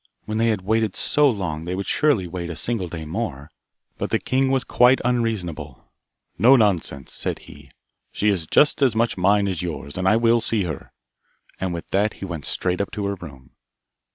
When they had waited so long, they could surely wait a single day more. But the king was quite unreasonable. 'No nonsense,' said he; 'she is just as much mine as yours, and I will see her,' and with that he went straight up to her room.